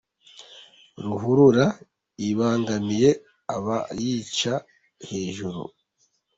Ruhurura ibangamiye abayica hejuru